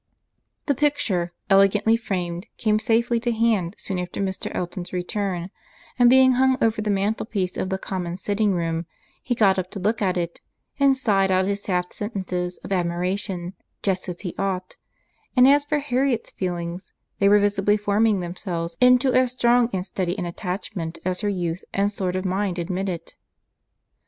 The Picture, elegantly framed, came safely to hand soon after Mr. Elton's return, and being hung over the mantelpiece of the common sitting room, he got up to look at it, and sighed out his half sentences of admiration just as he ought; and as for Harriet's feelings, they were visibly forming themselves into as strong and steady an attachment as her youth and sort of mind admitted.